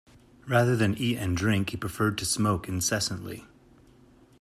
Rather than eat and drink, he preferred to smoke incessantly